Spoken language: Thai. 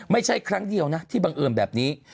ไม่ใช่ครั้งเดียวนะที่บังเอิญแบบนี้